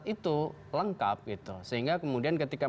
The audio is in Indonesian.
dan itu prasarat itu lengkap gitu sehingga kemudian di sini ada